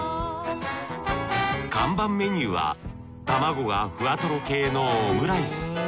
看板メニューは卵がふわとろ系のオムライス。